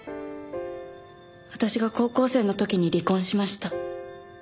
私が高校生の時に離婚しました。